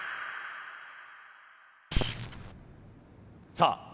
さあ